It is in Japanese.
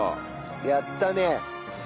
やったね。